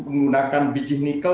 menggunakan biji nikel